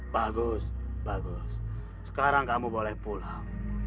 bagus bagus sekarang kamu boleh pulang